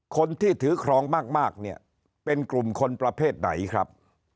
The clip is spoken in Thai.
คนที่ถือครองมากเนี่ยเป็นกลุ่มคนประเภทไหนครับ